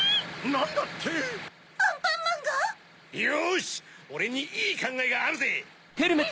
・なんだって⁉・アンパンマンが⁉よしオレにいいかんがえがあるぜ！